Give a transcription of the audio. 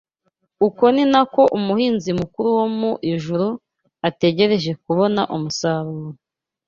Uko ni nako Umuhinzi Mukuru wo mu ijuru ategereje kubona umusaruro.